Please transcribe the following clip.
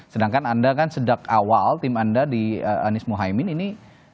sedangkan anda kan sejak awal tim anda di anies mohaimin ini